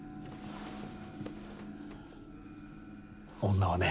女はね